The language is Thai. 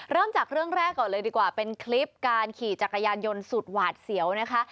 เริ่มจากเรื่องแรกก่อนเลยดีกว่าเป็นคลิปการขี่จักรยานยนต์สุดหวาดเสียวนะคะ